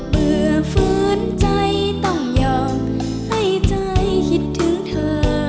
ื่มใจต้องยอมให้ใจคิดถึงเธอ